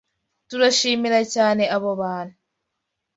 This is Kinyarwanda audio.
Turashimira cyane abo bantu.